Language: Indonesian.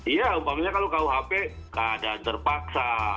iya kalau kalau hp keadaan terpaksa